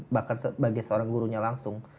bahkan sebagai seorang gurunya langsung